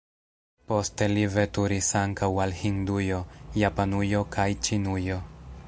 Poste li veturis ankaŭ al Hindujo, Japanujo kaj Ĉinujo.